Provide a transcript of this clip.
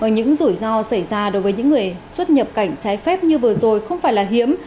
những rủi ro xảy ra đối với những người xuất nhập cảnh trái phép như vừa rồi không phải là hiếm